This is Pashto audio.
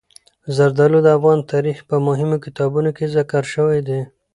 زردالو د افغان تاریخ په مهمو کتابونو کې ذکر شوي دي.